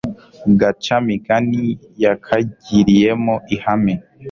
gacamigani yakagiriyemo ihame